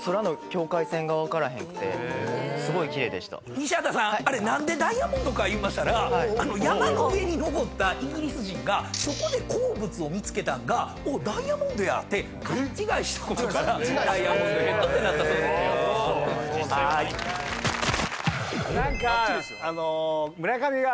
西畑さんあれ何でダイヤモンドかいいましたら山の上に登ったイギリス人がそこで鉱物を見つけたんが「おっダイヤモンドや！」って勘違いしたことからダイヤモンドヘッドってなったそうですよ。何か。